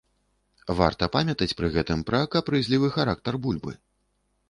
Варта памятаць пры гэтым пра капрызлівы характар бульбы.